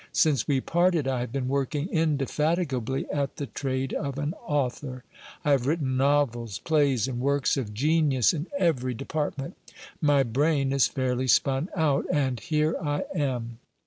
Since we parted, I have been working indefatigably at the trade of an author : I have written novels, plays, and works of genius in every de partment. My brain is fairly spun out, and here I am.